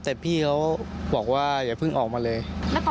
แต่พี่เขาบอกว่าอย่าพึ่งออกมาเลยแล้วตอนที่ยิงอ่ะ